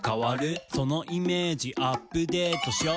「そのイメージアップデートしよう」